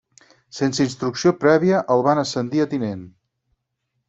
Sense instrucció prèvia, el van ascendir a tinent.